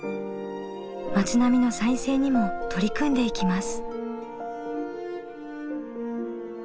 町並みの再生にも取り組んでいきます。